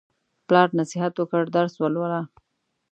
پلار نصیحت وکړ: درس ولوله.